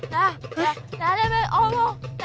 nanda jangan berbicara